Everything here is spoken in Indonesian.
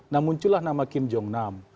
nah muncul nama kim jong enam